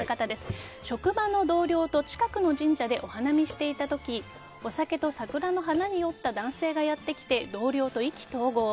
職場の同僚と近くの神社でお花見していた時お酒と桜の花に酔った男性がやってきて同僚と意気投合。